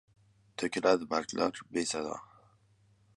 Toʻkiladi barglar besado.